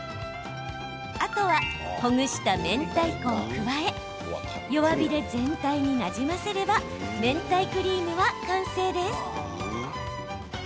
あとは、ほぐしためんたいこを加え弱火で全体になじませればめんたいクリームは完成です。